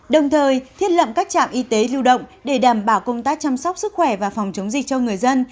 đồng thời thiết lập các trạm y tế lưu động để đảm bảo công tác chăm sóc sức khỏe và phòng chống dịch cho người dân